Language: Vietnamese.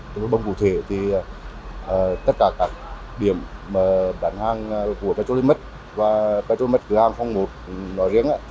tất cả các điểm bán hàng của petrolimax và petrolimax cửa hàng số một nói riêng